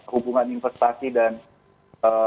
hubungan investasi dan perdagangan